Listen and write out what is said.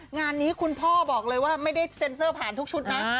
งานนี้คุณพ่อบอกเลยว่าไม่ได้เซ็นเซอร์ผ่านทุกชุดนะ